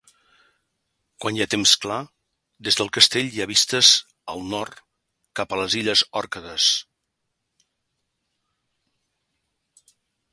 Quan hi ha temps clar, des del castell hi ha vistes al nord cap a les Illes Òrcades.